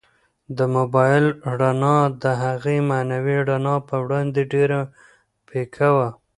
د موبایل رڼا د هغې معنوي رڼا په وړاندې ډېره پیکه وه.